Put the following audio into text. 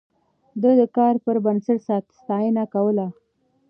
ده د کار پر بنسټ ستاينه کوله.